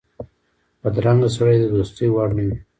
بدرنګه سړی د دوستۍ وړ نه وي